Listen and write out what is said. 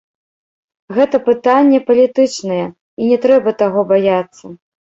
Гэта пытанне палітычнае, і не трэба таго баяцца.